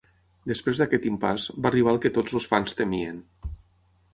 Després d'aquest impàs, va arribar el que tots els fans temien.